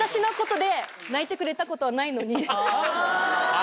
あ。